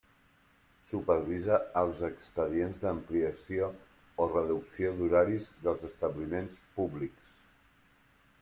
Supervisa els expedients d'ampliació o reducció d'horaris dels establiments públics.